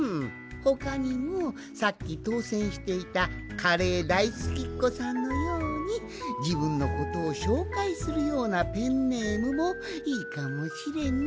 ほかにもさっきとうせんしていたカレー大好きっこさんのようにじぶんのことをしょうかいするようなペンネームもいいかもしれんな。